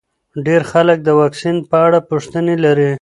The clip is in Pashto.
ډېر خلک د واکسین په اړه پوښتنې لري.